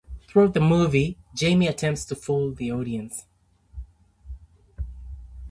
Throughout the movie, Jamie attempts to fool the audience.